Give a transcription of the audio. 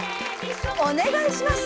お願いします！